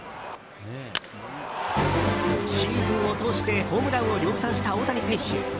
シーズンを通してホームランを量産した大谷選手。